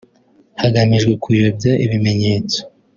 hagamijwe kuyobya ibimenyetso